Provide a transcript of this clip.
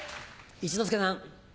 一之輔さん。